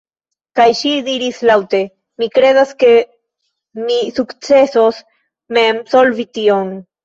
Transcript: Kaj ŝi diris laŭte: "Mi kredas ke mi sukcesos mem solvi tion."